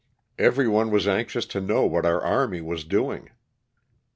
Everyone was anxious to know what our army was doing.